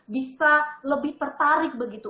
bisa lebih tertarik begitu